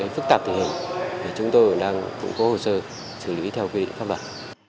phức tạp tình hình chúng tôi cũng đang củng cố hồ sơ xử lý theo quy định pháp luật